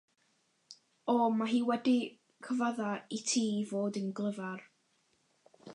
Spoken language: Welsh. O, mae hi wedi cyfadde i ti fod yn glyfar!